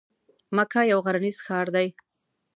مکه یو غرنیز ښار دی.